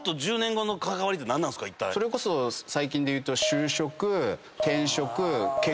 それこそ最近でいうと。